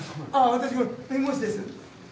私の弁護士です。